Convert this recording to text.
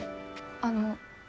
あの。